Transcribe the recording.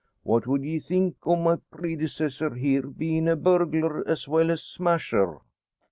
What would ye think o' my predecessor here bein' a burglar as well as smasher?"